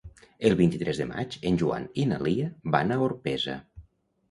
El vint-i-tres de maig en Joan i na Lia van a Orpesa.